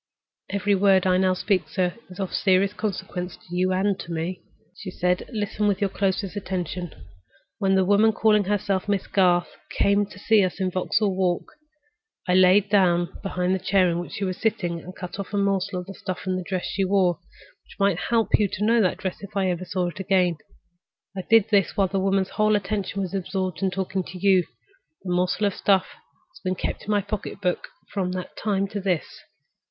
"Every word I now speak, sir, is of serious consequence to you and to me," she said. "Listen with your closest attention. When the woman calling herself Miss Garth came to see us in Vauxhall Walk, I knelt down behind the chair in which she was sitting and I cut a morsel of stuff from the dress she wore, which might help me to know that dress if I ever saw it again. I did this while the woman's whole attention was absorbed in talking to you. The morsel of stuff has been kept in my pocketbook from that time to this.